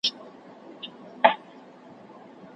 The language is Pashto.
د افغان په نوم لیکلی بیرغ غواړم